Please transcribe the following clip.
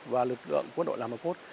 và lực lượng quân đội làm đồng cốt